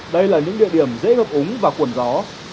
đây là những địa điểm dễ gập úng và cuộn gió